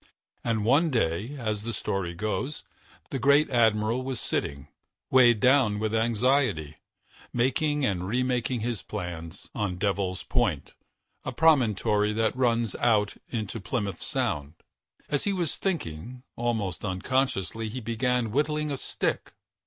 And one day, as the story goes, the great admiral was sitting, weighed down with anxiety, making and remaking his plans, on Devil's Point, a promontory that runs out into Plymouth Sound. As he was thinking, almost unconsciously he began whittling a stick.